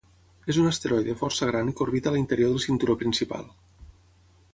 És un asteroide força gran que orbita a l'interior del cinturó principal.